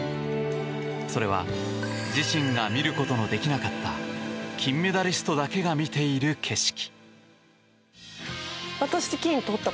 それは自身が見ることのできなかった金メダリストだけが見ている景色。